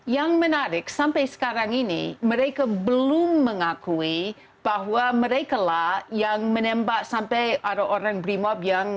yang menarik sampai sekarang ini mereka belum mengakui bahwa mereka lah yang menembak sampai ada orang brimob yang